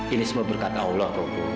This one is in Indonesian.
ini semua berkat allah bapak ibu